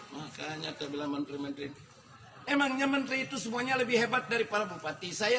makanya kebelahan pemenangnya menteri itu semuanya lebih hebat dari para bupati saya